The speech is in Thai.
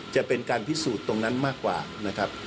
จะเป็นการพิสูจน์ตรงนั้นมากกว่านะครับ